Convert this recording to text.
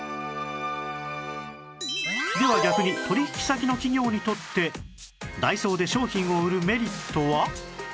では逆に取引先の企業にとってダイソーで商品を売るメリットは？